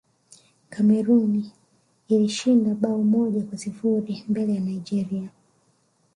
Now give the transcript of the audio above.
cameroon ilishinda bao moja kwa sifuri mbele ya nigeria